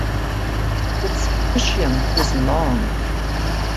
Its ischium is long.